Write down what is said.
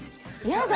やだ！